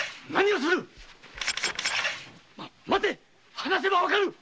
待て話せば分かる。